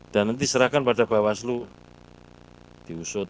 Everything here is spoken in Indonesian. dan nanti serahkan pada bawaslu diusut